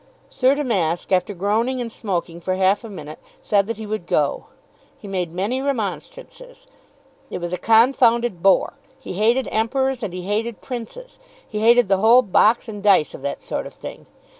Sir Damask, after groaning and smoking for half a minute, said that he would go. He made many remonstrances. It was a confounded bore. He hated emperors and he hated princes. He hated the whole box and dice of that sort of thing!